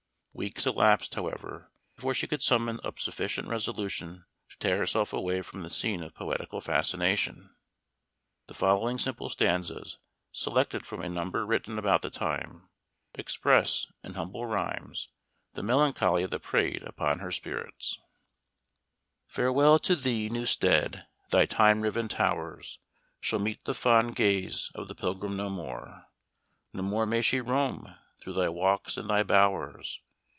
Weeks elapsed, however, before she could summon up sufficient resolution to tear herself away from the scene of poetical fascination. The following simple stanzas, selected from a number written about the time, express, in humble rhymes, the melancholy that preyed upon her spirits: "Farewell to thee, Newstead, thy time riven towers, Shall meet the fond gaze of the pilgrim no more; No more may she roam through thy walks and thy bowers.